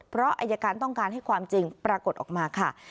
เพราะอายการต้องการให้ความจริงปรากฏออกมาค่ะ